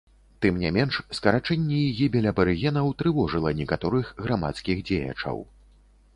Тым не менш, скарачэнне і гібель абарыгенаў трывожыла некаторых грамадскіх дзеячаў.